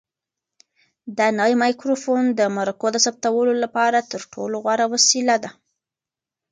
دا نوی مایکروفون د مرکو د ثبتولو لپاره تر ټولو غوره وسیله ده.